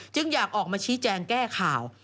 อยากออกมาชี้แจงแก้ข่าว